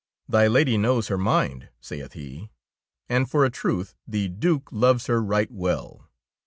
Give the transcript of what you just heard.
"The lady knows her mind," saith he, " and for a truth the Due loves her right well.